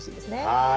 はい。